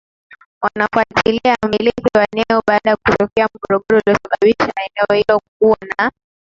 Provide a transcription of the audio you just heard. wanafuatilia mmiliki wa eneo baada ya kutokea mgogoro uliosababishwa na eneo hilo kuwa na